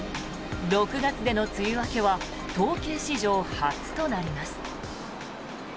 ６月での梅雨明けは統計史上初となります。